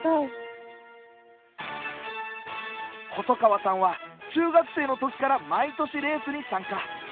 細川さんは中学生の時から毎年レースに参加。